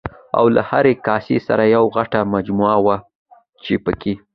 او له هرې کاسې سره یوه غټه مجمه وه چې پکې